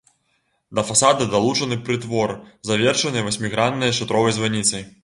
Да фасада далучаны прытвор, завершаны васьміграннай шатровай званіцай.